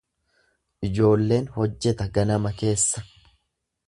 Ijoolleen hojjeta ganama keessa.